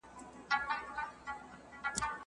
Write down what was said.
ایا په ډېر لوړ غږ د خبرو کولو څخه ډډه کول پکار دي؟